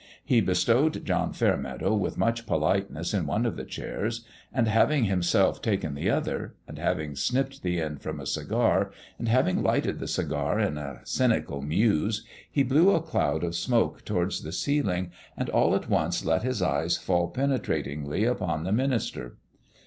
He bestowed John Fairmeadow with much politeness in one of the chairs ; and having himself taken the other, and having snipped the end from a cigar, and having lighted the cigar in a cynical muse, he blew a cloud of smoke towards the ceiling and all at once let his eyes fall penetratingly upon the minister.